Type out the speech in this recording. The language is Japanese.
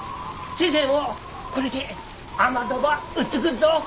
先生もこれで雨戸ば打っつくっぞ。